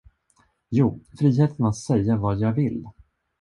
Jo, friheten att säga vad jag vill.